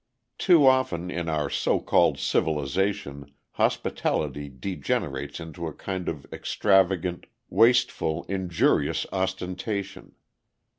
Too often in our so called civilization hospitality degenerates into a kind of extravagant, wasteful, injurious ostentation.